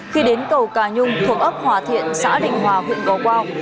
khi đến cầu cà nhung thuộc ấp hòa thiện xã định hòa huyện gò quao